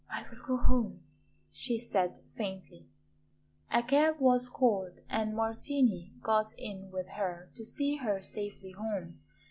"I will go home," she said faintly. A cab was called and Martini got in with her to see her safely home.